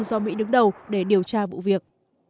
do mỹ đứng đầu để điều tra vụ việc